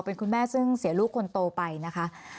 เป็นคุณแม่ซึ่งเสียลูกคนโตไปนะคะ